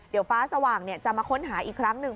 เดี๋ยวฟ้าสว่างจะมาค้นหาอีกครั้งหนึ่ง